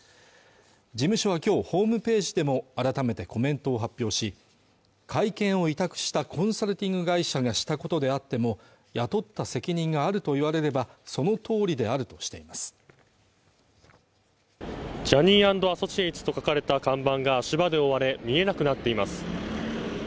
事務所は今日ホームページでも改めてコメントを発表し会見を委託したコンサルティング会社がしたことであっても雇った責任があると言われればそのとおりであるとしていますＪｏｈｎｎｙ＆Ａｓｓｏｃｉａｔｅｓと書かれた看板が足場で覆われ見えなくなっています